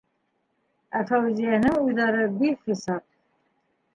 Ә Фәүзиәнең уйҙары бихисап.